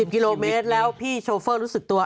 กิโลเมตรแล้วพี่โชเฟอร์รู้สึกตัว